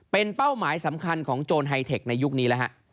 เป็นเป้าหมายสำคัญของโจรไฮเทคในยุคนี้แล้วฮะ